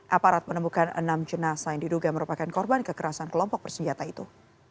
aparat menemukan enam jenasa yang diduga merupakan korban kekerasan kelompok bersenjata itu